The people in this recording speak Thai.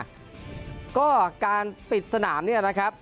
แล้วก็การปิดสนามเนี่ยนะครับ